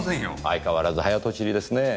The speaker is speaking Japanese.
相変わらず早とちりですね。